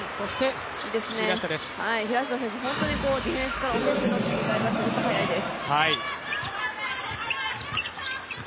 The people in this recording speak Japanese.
平下選手、本当にディフェンスからオフェンスの切り替えがすごく速いです。